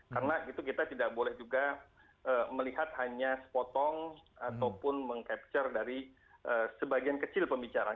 karena itu kita tidak boleh juga melihat hanya sepotong ataupun meng capture dari sebagian kecil pembicaraan